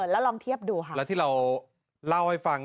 แล้วที่เราเล่าให้ฟัง